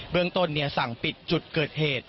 เบื้องต้นเนี่ยสั่งปิดจุดเกิดเหตุ